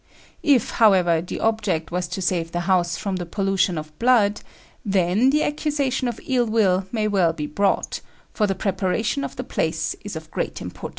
If, however, the object was to save the house from the pollution of blood, then the accusation of ill will may well be brought; for the preparation of the place is of great importance.